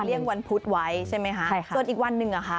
เรียกวันพุธไว้ใช่ไหมค่ะ